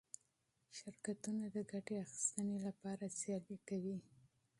شرکتونه د ګټې اخیستنې لپاره سیالي کوي.